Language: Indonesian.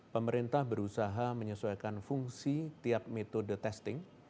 pemerintah berusaha menyesuaikan fungsi tiap metode testing